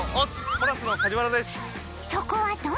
ポラスの梶原です。